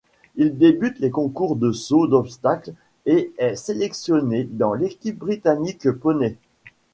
Il débute les concours de saut d'obstacles et est sélectionné dans l'équipe britannique Poney.